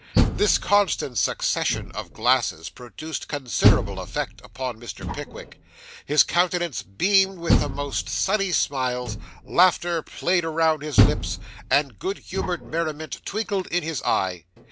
This constant succession of glasses produced considerable effect upon Mr. Pickwick; his countenance beamed with the most sunny smiles, laughter played around his lips, and good humoured merriment twinkled in his eye.